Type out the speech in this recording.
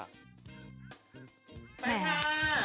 ไปนะ